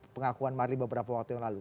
pengakuan marli beberapa waktu yang lalu